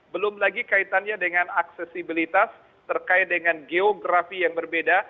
belum lagi kaitannya dengan aksesibilitas terkait dengan geografi yang berbeda